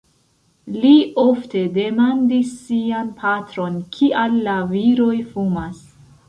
Li ofte demandis sian patron, kial la viroj fumas.